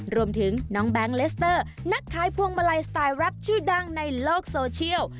รวมถึงน้องแบงค์เลสเตอร์นักขายพวงมาลัยสไตล์แรปชื่อดังในโลกโซเชียล